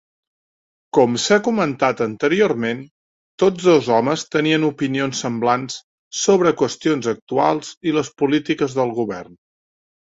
Com s'ha comentat anteriorment, tots dos homes tenien opinions semblants sobre qüestions actuals i les polítiques del govern.